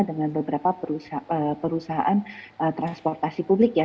dengan beberapa perusahaan transportasi publik ya